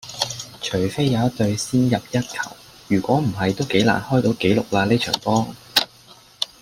除非有一隊先入一球,如果唔係都幾難開到紀錄啦呢場波